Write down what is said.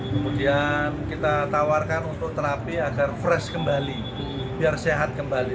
kemudian kita tawarkan untuk terapi agar fresh kembali biar sehat kembali